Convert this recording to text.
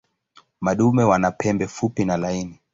Madume wana pembe fupi na laini.